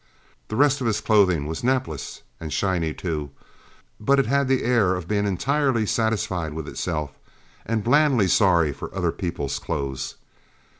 The rest of his clothing was napless and shiny, too, but it had the air of being entirely satisfied with itself and blandly sorry for other people's clothes.